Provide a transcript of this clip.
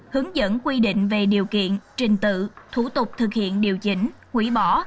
hướng dẫn quy định về điều kiện trình tự thủ tục thực hiện điều chỉnh hủy bỏ